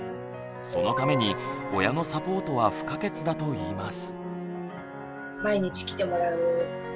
そのために親のサポートは不可欠だといいます。